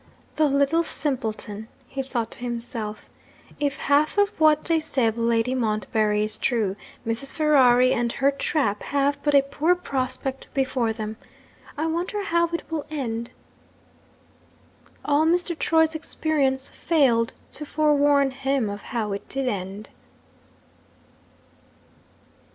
'The little simpleton!' he thought to himself. 'If half of what they say of Lady Montbarry is true, Mrs. Ferrari and her trap have but a poor prospect before them. I wonder how it will end?' All Mr. Troy's experience failed to forewarn him of how it did end.